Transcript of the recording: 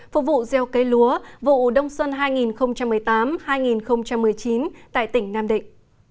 phục vụ gieo cây lúa vụ đông xuân hai nghìn một mươi tám hai nghìn một mươi chín tại tỉnh nam định